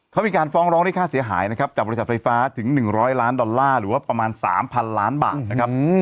เขามีการฟ้องร้องได้ค่าเสียหายนะครับจากบริษัทไฟฟ้าถึง๑๐๐ล้านดอลลาร์หรือว่าประมาณ๓๐๐ล้านบาทนะครับ